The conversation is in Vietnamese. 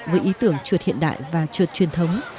với ý tưởng chuột hiện đại và chuột truyền thống